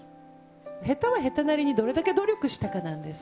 下手は下手なりにどれだけ努力したかなんです。